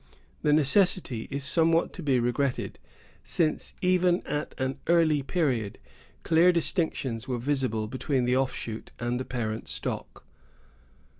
The necessity is somewhat to be regretted, since, even at an early period, clear distinctions were visible between the offshoot and the parent stock.